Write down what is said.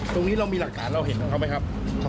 ตรงนี้เรามีหลักฐานเราเห็นของเขาไหมครับ